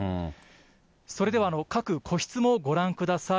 それでは各個室もご覧ください。